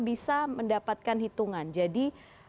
bisa mendapatkan hitungan jadi